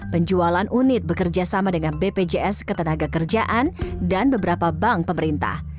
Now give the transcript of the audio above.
penjualan unit bekerja sama dengan bpjs ketenaga kerjaan dan beberapa bank pemerintah